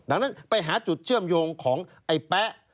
ดังนั้นไปหาจุดเชื่อมโยงของไอ้แป๊ะ